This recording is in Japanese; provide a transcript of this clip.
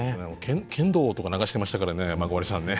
剣道とか流してましたからね孫存さんね。